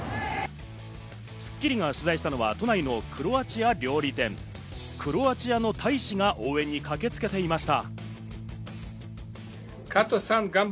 『スッキリ』が取材したのは都内のクロアチア料理店、クロアチアの大使が応援に駆けつけていました。